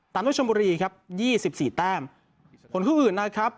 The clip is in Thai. ด้วยชมบุรีครับยี่สิบสี่แต้มผลคู่อื่นนะครับ